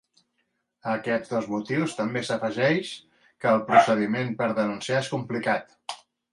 A aquests dos motius també s'afegeix que el procediment per denunciar és complicat.